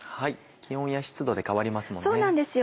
気温や湿度で変わりますもんね。